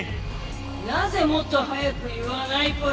なぜもっと早く言わないぽよ！